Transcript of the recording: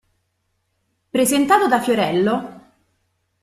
Presentato da Fiorello,